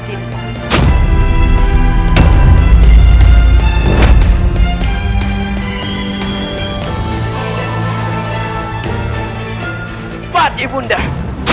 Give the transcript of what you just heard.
jangan lupa ibu undang